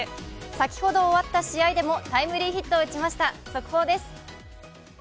先ほど終わった試合でもタイムリーヒットを打ちました、速報です。